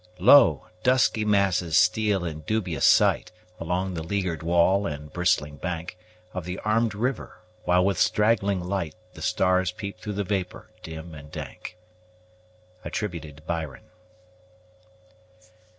Lo! dusky masses steal in dubious sight, Along the leaguer'd wall, and bristling bank, Of the arm'd river; while with straggling light, The stars peep through the vapor, dim and dank. BYRON.